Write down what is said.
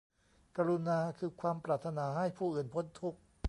กรุณาคือความปรารถนาให้ผู้อื่นพ้นทุกข์